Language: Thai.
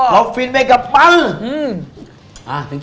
เราฟินไปกับปัง